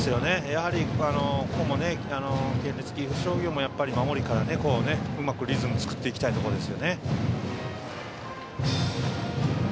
やはり、県立岐阜商業も守りからうまくリズムを作っていきたいところです。